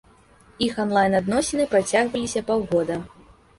Іх анлайн-адносіны працягваліся паўгода.